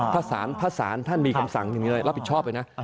พระศาลพระศาลท่านมีคำสั่งอย่างนี้เลยรับผิดชอบไปนะ